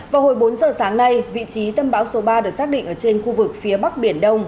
vào hồi bốn giờ sáng nay vị trí tâm bão số ba được xác định ở trên khu vực phía bắc biển đông